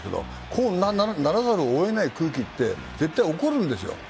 こうならざるをえない空気って絶対起こるんですよ。